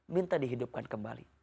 minta dihidupkan kembali